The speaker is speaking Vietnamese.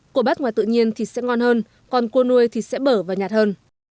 cua bát ngoài tự nhiên thì sẽ ngon hơn còn cua nuôi thì sẽ bở và nhạt hơn